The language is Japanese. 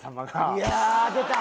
いや出た！